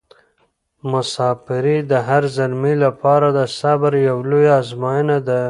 مساپري د هر زلمي لپاره د صبر یوه لویه ازموینه ده.